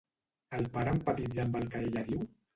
El pare empatitza amb el que ella diu?